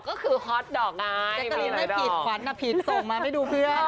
แจ๊กกะลีนไม่ผิดพี่ก็ส่งมาไม่ดูเพื่อน